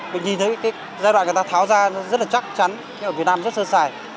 mình nhìn thấy cái giai đoạn người ta tháo ra rất là chắc chắn ở việt nam rất sơ sài